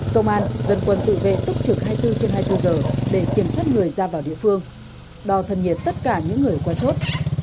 công an dân quân tự vệ túc trực hai mươi bốn trên hai mươi bốn giờ để kiểm soát người ra vào địa phương đo thân nhiệt tất cả những người qua chốt